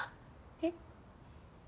えっ？